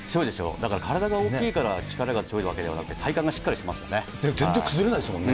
だから体が大きいから力が強いわけではなくて、体幹がしっかりしてますもんね。